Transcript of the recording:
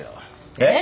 えっ！？